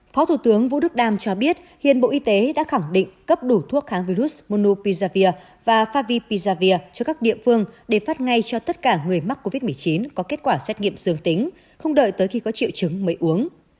phó thủ tướng vũ đức đam cho biết hiện bộ y tế đã khẳng định cấp đủ thuốc kháng virus mono pizavir và favi pizavir cho các địa phương để phát ngay cho tất cả người mắc covid một mươi chín có kết quả xét nghiệm dương tính không đợi tới khi có triệu chứng mới uống